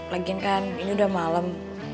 lagian kan ini udah malem